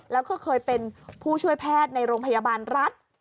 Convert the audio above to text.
แล้วก็เคยเป็นผู้ช่วยแพทย์ในโรงพยาบาลรัฐ